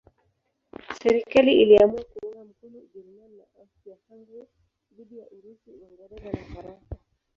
Serikali iliamua kuunga mkono Ujerumani na Austria-Hungaria dhidi ya Urusi, Uingereza na Ufaransa.